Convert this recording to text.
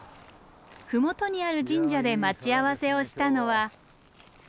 麓にある神社で待ち合わせをしたのは。